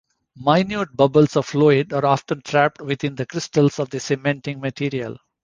Minute bubbles of fluid are often trapped within the crystals of the cementing material.